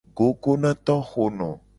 Gogo na tohono.